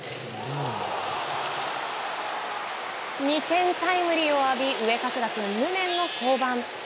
２点タイムリーを浴び上加世田君、無念の降板。